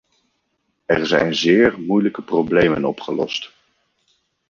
Er zijn zeer moeilijke problemen opgelost.